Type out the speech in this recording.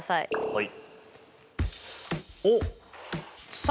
はい。